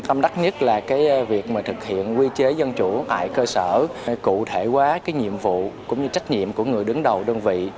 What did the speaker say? tâm đắc nhất là việc thực hiện quy chế dân chủ tại cơ sở cụ thể hóa nhiệm vụ cũng như trách nhiệm của người đứng đầu đơn vị